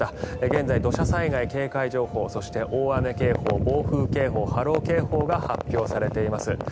現在、土砂災害警戒情報そして大雨警報暴風警報波浪警報が発表されています。